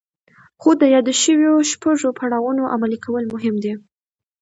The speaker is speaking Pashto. خو د يادو شويو شپږو پړاوونو عملي کول مهم دي.